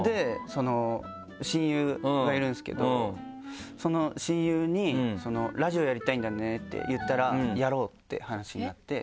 親友がいるんですけどその親友に「ラジオやりたいんだよね」って言ったら「やろう！」って話になって。